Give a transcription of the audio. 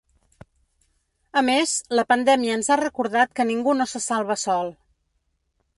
A més, “la pandèmia ens ha recordat que ningú no se salva sol”.